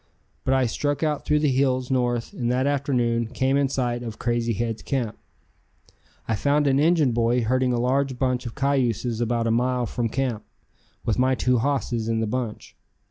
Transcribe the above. But I struck out through the hills north, and that afternoon came in sight of Crazy Head's camp. I found an Injun boy herding a large bunch of cayuses about a mile from camp, with my two hosses in the bunch.